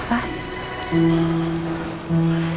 kasian tante rusa